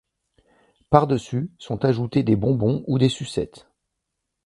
Par-dessus, sont ajoutés des bonbons ou des sucettes.